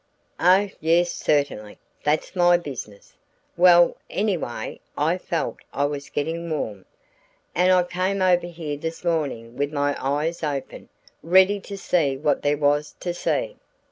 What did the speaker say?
"Oh, yes, certainly, that's my business. Well, anyway I felt I was getting warm, and I came over here this morning with my eyes open, ready to see what there was to see.